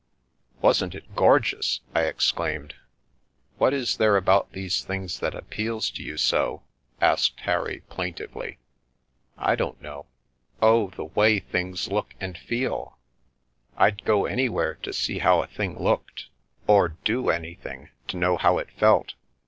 Wasn't it gorgeous !" I exclaimed. What is there about these things that appeals to you so? " asked Harry plaintively. " I don't know. Oh, the way things look and feel I I'd go anywhere to see how a thing looked, or do any thing to know how it felt."